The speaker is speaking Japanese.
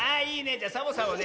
じゃサボさんはね